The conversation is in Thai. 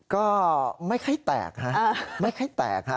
ก็ไม่ค่อยแตกฮะไม่ค่อยแตกฮะ